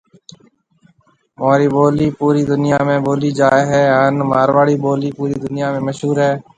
مهوري ٻولَي پوري دنَيا ۾ ٻولَي جائي هيَ هانَ مارواڙي ٻولَي پوري دنَيا ۾ مشهور هيَ۔